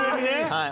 はい。